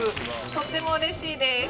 とっても嬉しいです